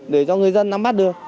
để cho người dân nắm mắt được